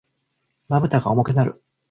瞼が重くなる。